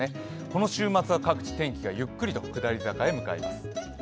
この週末は各地ゆっくりと下り坂へ向かいます。